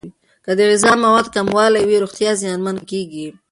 که د غذا موادو کموالی وي، روغتیا زیانمن کیږي.